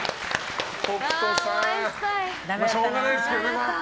北斗さんしょうがないですけどね。